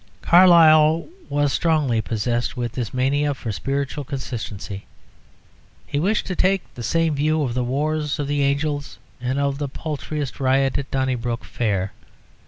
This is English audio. Carlyle was strongly possessed with this mania for spiritual consistency. He wished to take the same view of the wars of the angels and of the paltriest riot at Donnybrook Fair.